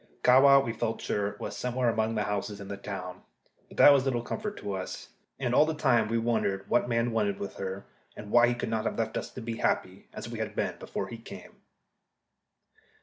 Kahwa, we felt sure, was somewhere among those houses in the town. But that was little comfort to us. And all the time we wondered what man wanted with her, and why he could not have left us to be happy, as we had been before he came.